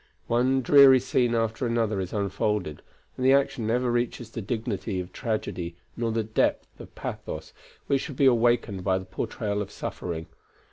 One dreary scene after another is unfolded, and the action never reaches the dignity of tragedy nor the depth of pathos which should be awakened by the portrayal of suffering.